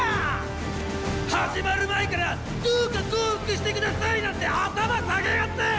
始まる前からどうか降伏して下さいなんて頭下げやがって！